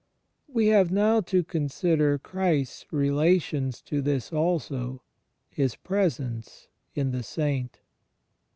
We have now to consider Christ's relations to this also — His Presence in the Saint.